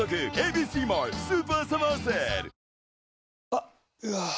あっ、うわー。